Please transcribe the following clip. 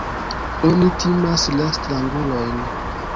Oni timas la strangulojn.